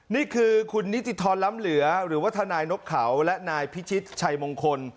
นี่คือคุณนิติธรรมล้ำเหลือหรือว่าทนายนกเขาและนายพิชิตชัยมงคล